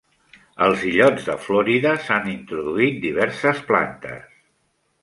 Als illots de Florida s'han introduït diverses plantes.